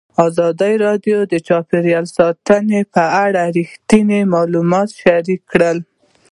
ازادي راډیو د چاپیریال ساتنه په اړه رښتیني معلومات شریک کړي.